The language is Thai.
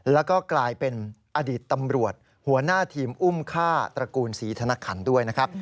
แล้วก็กลายเป็นอดีตตำรวจหัวหน้าทีมอุ้มฆ่าตระกูลศรีธนคันด้วยนะครับ